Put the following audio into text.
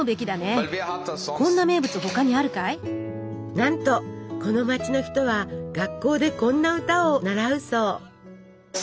なんとこの街の人は学校でこんな歌を習うそう。